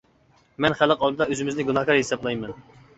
مەن خەلق ئالدىدا ئۆزىمىزنى گۇناھكار ھېسابلايمەن.